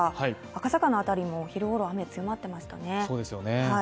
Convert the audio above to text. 赤坂の辺りは昼ごろ、雨が強まっていましたよね